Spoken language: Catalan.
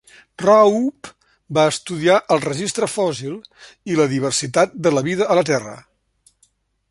Raup va estudiar el registre fòssil i la diversitat de la vida a la Terra.